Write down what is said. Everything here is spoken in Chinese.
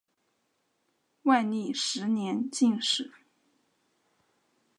万历十年进士。